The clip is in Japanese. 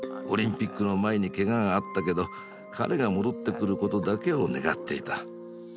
オリンピックの前にケガがあったけど彼が戻ってくることだけを願っていた。